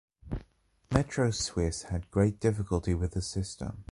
MeteoSwiss had great difficulty with this system.